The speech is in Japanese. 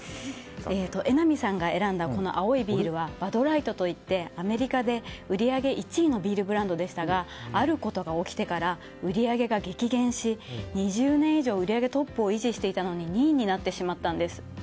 榎並さんが選んだこの青いビールはバドライトといってアメリカで売り上げ１位のビールブランドでしたがあることが起きてから売り上げが激減し２０年以上、売り上げトップを維持していたのに２位になってしまったんです。